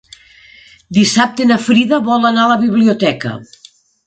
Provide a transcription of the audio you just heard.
Dissabte na Frida vol anar a la biblioteca.